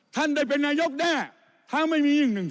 ท่านได้เป็นนายกแน่ถ้าไม่มี๑๑๒